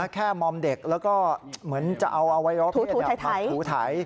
แค่มอมเด็กแล้วก็เหมือนจะเอาอวัยวะเพศถูไถ